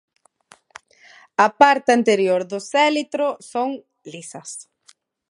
A parte anterior dos élitro son lisas.